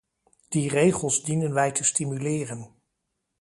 Die regels dienen wij te stimuleren.